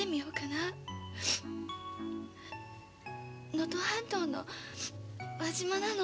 能登半島の輪島なの。